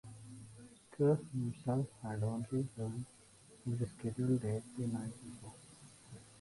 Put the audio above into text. Schuh himself had only learned of the scheduled date the night before.